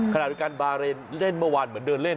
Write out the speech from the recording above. ขณะเดียวกันบาเรนเล่นเมื่อวานเหมือนเดินเล่น